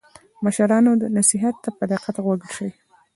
د مشرانو نصیحت ته په دقت غوږ شئ.